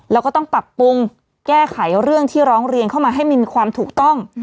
แล้วก็ต้องปรับปรุงแก้ไขเรื่องที่ร้องเรียนเข้ามาให้มันมีความถูกต้อง